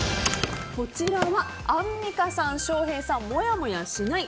アンミカさん、翔平さんがもやもやしない。